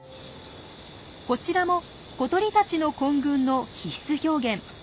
こちらも小鳥たちの混群の必須表現